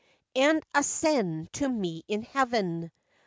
And ascend to me in heaven!